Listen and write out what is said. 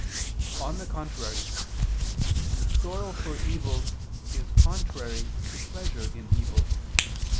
On the contrary, Sorrow for evil is contrary to pleasure in evil.